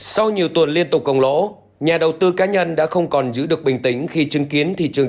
sau nhiều tuần liên tục công lỗ nhà đầu tư cá nhân đã không còn giữ được bình tĩnh khi chứng kiến thị trường